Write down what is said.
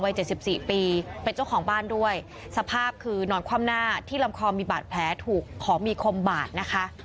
เจ็ดสิบสี่ปีเป็นเจ้าของบ้านด้วยสภาพคือนอนคว่ำหน้าที่ลำคอมีบาดแผลถูกของมีคมบาดนะคะ